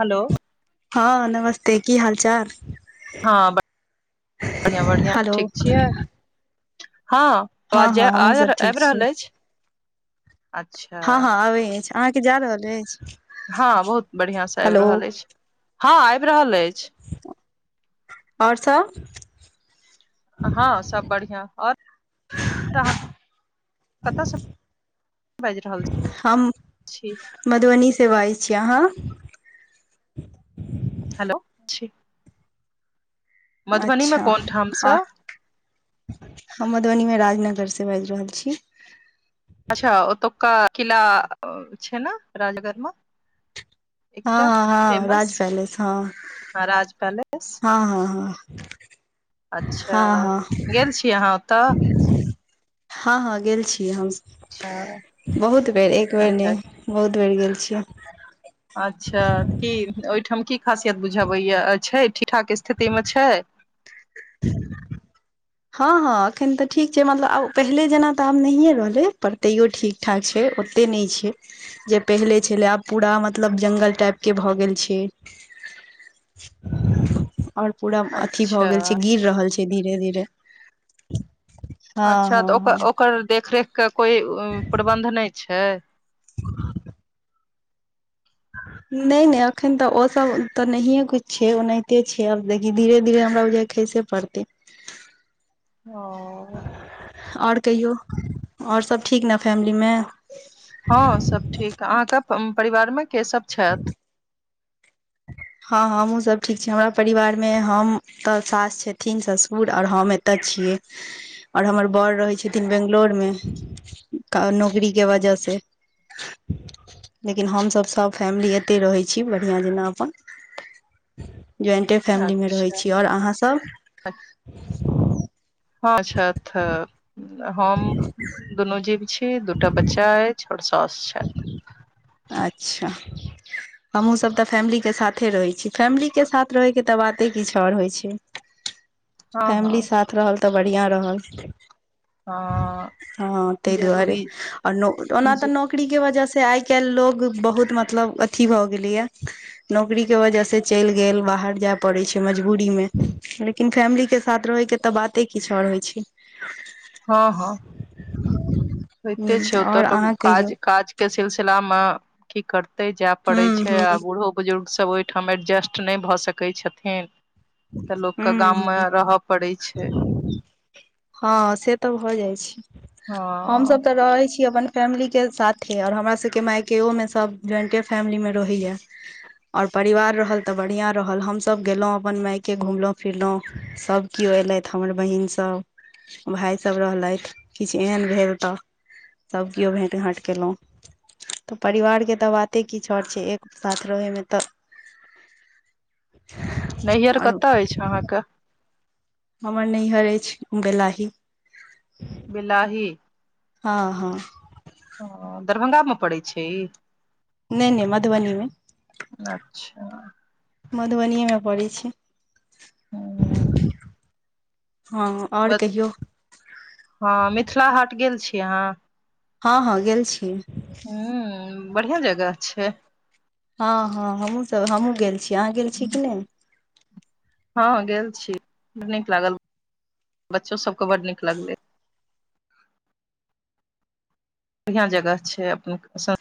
Hello हँ नमस्ते की हाल चाल हँ बढ़िआँ बढ़िआँ हेलो ठीक छियै हँ आ हँ हँ आ हमहुँ सब ठीक आबि छी रहल आइछ हँ हँ आबइ अछि अहाँके जा रहल अछि हँ बहुत बढ़िआँ से आबि हेलो रहल अछि हँ आबि रहल अछि ओर सभ हँ सब बढ़िआँ ओर कतयसँ बाजि रहल हम छी मधुबनी सँ बाजै छी अहाँ हेलो मधुबनी मे अच्छा कोन ठामसँ आ हम मधुबनी में राजनगर से बाजि रहल छी अच्छा ओतका किला छै ने राजगर में हँ हँ हँ फेमस राज पैलेस हँ हँ राज पलेस हँ हँ हँ अच्छा हँ हँ गेल छीय अहाँ ओतऽ हँ हँ गेल छी हम अच्छा बहुत बेर एक बेर अच्छा नय बहुत बेर गेल छियै अच्छा की ओहिठाम की खासियत बुझाबैय छै ठीकठाक स्थितिमे छय हँ हँ एखन तऽ ठीक छय मतलब आब पहिले जेना तऽ आब नहिए रहलै पर तैयो ठीकठाक छै ओतेक नहि छय जे पहिले छलै आब पूरा मतलब ज्ंगल टाइपके भऽ गेल छै [inaudible] और पूरा अथिी भऽ अच्छा गेल छै गिर रहल छै धीरे धीरे हँ अच्छा हँ तऽ ओकर हँ ओकर देखरेखके कोइ प्रबन्ध नहि छै [inaudible] नहि नहि अखन तऽ ओ सब तऽ नहिये कछ छै ओनाहिते छै आब देखी धीरे धीरे हमरा ओजा खैसे पड़तै [inaudible] हां आओर कहियौ आओर सभ ठीक ने फैमिलीमे हँ सब ठीक अहाँके परिवार मे के सब छैथ हँ हमहुं सब ठीक छी हमरा परिवार मे हम तऽ सास छथिन ससुर आओर हम ए तऽ छियै आओर हमर बड़ रहैत छथिन बेंगलोर मे नौकरी के वजह से लेकिन हमस सब फैमिली एते रहै छी बढ़िया जेना अपन ज्वइंटे फैमली रहैत अच्छा छी आओर अहाँसभ हॅं छथ तऽ हम दुनू जीव छी दूटा बच्चा अछि पर सास छथि अच्छा हमहहुँसभ तऽ फैमिली के साथे रहै छी फैमिली के साथ रहैके तऽ बाते किछु आओर होइत छै [inaudible] हँ फैमिली साथ रहल तऽ बढ़िआँ रहल हँ हँ ताहि दुआरे जरूरी आओर छै। ओना तऽ जी नौक बकरी के वजह से आइ काल्हि लोग बहुत मतलब अथी भऽ गेलैया नौकरी के वजह से चलि गेल बाहर जाय पड़े छै मजबूरी मे लिन फैमिलीक के साथ रहैके तऽ बाते किछु आओर होइ छै हँ हँ होइते छै ह ओतऽ आओर लोकोग अहाँ कहियौ काज काज के सिलसिला मे की करते जाय हूं पड़े छै आ हूं बूढ़ो बुजुर्गसभ ओहिठाम एडजस्ट नहि भऽ सकै छथिन तऽ लोकके हूं गाममे हूं रहय पड़ैत छै हँ से तऽ भऽ जाइ छै हँ हमसभ तऽ रहै छी अपन फैमिलीके साथे आओर हमरा सभके मायकेोमे सभ ज्वाइंटे फैमिलीमे रहैया और परिवार रहल तऽ बढ़िया रहल हमसभ गेलहुं अपन माय के घुमलहुँ फिरलहुँ सभ केओ एयलथि हमर बहिन सब भायसभ रहलथि किछु एहन भेल तऽ सभ केओ भेँट घाँट कयलहुँ तऽ परिवारके तऽ बाते की छ आओर छै एक साथ रहैमे तऽ नैईहरर आओर कतय अछि अहाँके हमर नैहर अछि गैलाही बिलााही हँ हँ ह दरभंगामे पड़ैत छै ई नहि नहि मधुबनी मे अच्छा मधुबनीए मे पड़ै छी हूँ, हँ आओर मथ, कहियौ हँ, मिथिलाहाट गेल छै अहाँ। हँ, हँ, गेल छै। हूँ, बढ़िआँ जगह छै। हँ, हँ, हमहूँ सभ हमहूँ गेल छै अहाँ गेल छै कि नहि। हँ, गेल छी बड्ड निक लागल बच्चो सभके बड् निक लगलै। बढ़िआ जगह छै, अप।